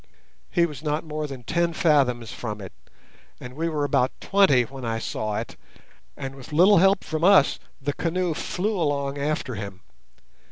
He was not more than ten fathoms from it, and we were about twenty when I saw it, and with little help from us the canoe flew along after him.